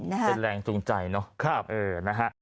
เป็นแรงจงใจเนอะ